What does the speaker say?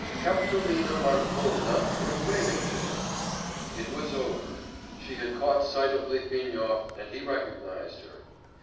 Kapitolina Markovna was waving to him.... It was over; she had caught sight of Litvinov and he recognised her.